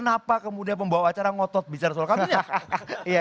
apa kemudian pembawa acara ngotot bicara tentang kabinet ya